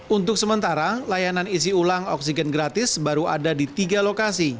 untuk sementara layanan isi ulang oksigen gratis baru ada di tiga lokasi